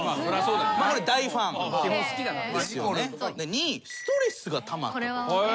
２位ストレスがたまったとき。